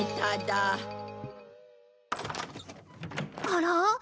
あら？